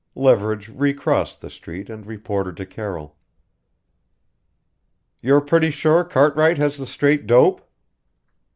Leverage recrossed the street and reported to Carroll. "You're pretty sure Cartwright has the straight dope!"